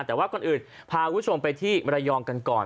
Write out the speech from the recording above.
แต่ว่าก่อนอื่นพาวิชงไปที่ระยองกันก่อน